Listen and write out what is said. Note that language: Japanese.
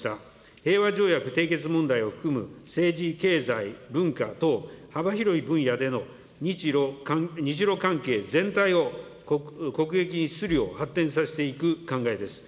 平和条約締結問題を含む政治、経済、文化等、幅広い分野での日ロ関係全体を国益に資するよう発展させていく考えです。